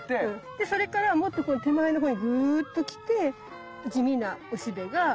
でそれからもっと手前のほうにグッときて地味なおしべが２つ。